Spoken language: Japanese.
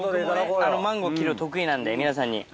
マンゴー切るの得意なんで、皆さんに。